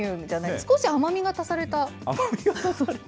少し甘みが足された。